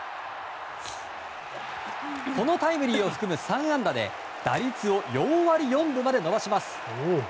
このタイムリーを含む３安打で打率を４割４分まで伸ばします。